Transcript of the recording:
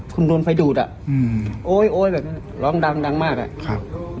คุณโดนไฟดูดอ่ะอืมโอ๊ยโอ๊ยแบบร้องดังดังมากอ่ะครับ